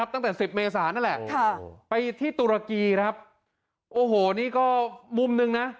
ตั้งแต่๑๐เมษานั่นแหละไปที่ตุรกีครับโอ้โหนี่ก็มุมหนึ่งนะ